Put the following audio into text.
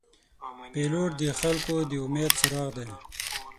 پیلوټ د خلګو د امید څراغ دی.